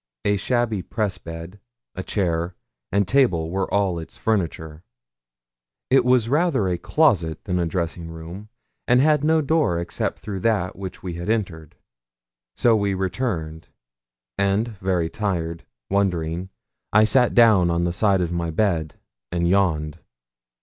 A shabby press bed, a chair, and table were all its furniture; it was rather a closet than a dressing room, and had no door except that through which we had entered. So we returned, and very tired, wondering, I sat down on the side of my bed and yawned.